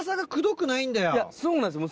いやそうなんですよ